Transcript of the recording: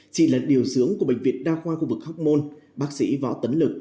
chỉ là điều sướng của bệnh viện đa khoa khu vực hóc môn bác sĩ võ tấn lực